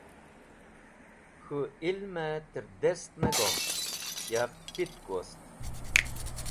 K̃hũ ilmẽ tẽrdest me go yab pitk wost.